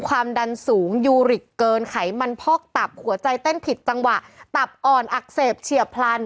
ความดันสูงยูริกเกินไขมันพอกตับหัวใจเต้นผิดจังหวะตับอ่อนอักเสบเฉียบพลัน